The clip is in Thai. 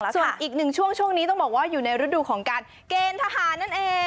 ส่วนอีกหนึ่งช่วงช่วงนี้ต้องบอกว่าอยู่ในฤดูของการเกณฑ์ทหารนั่นเอง